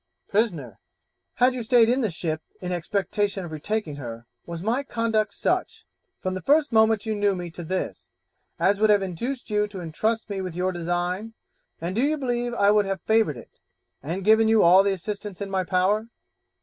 Prisoner 'Had you stayed in the ship in expectation of retaking her, was my conduct such, from the first moment you knew me to this, as would have induced you to intrust me with your design; and do you believe I would have favoured it, and given you all the assistance in my power?'